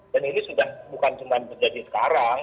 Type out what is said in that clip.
dan ini sudah bukan cuma terjadi sekarang